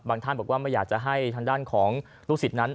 ท่านบอกว่าไม่อยากจะให้ทางด้านของลูกศิษย์นั้น